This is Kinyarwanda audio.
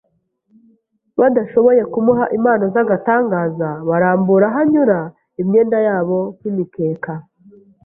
Badashoboye kumuha impano z'agatangaza barambura aho anyura imyenda yabo nk'imikeka